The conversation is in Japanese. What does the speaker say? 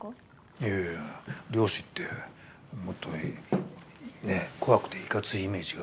いやいや漁師ってもっと怖くていかついイメージがあるから。